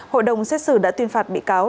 hội đồng xét xử đã tuyên phạt bị cáo